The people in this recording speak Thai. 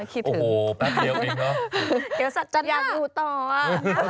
คิดถึงโอ้โหแป๊บเดียวเองเนอะอยากอยู่ต่ออยากมาเจอกันใหม่